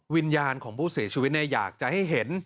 วิญญาณของผู้เสียชีวิตอยากจะให้เห็น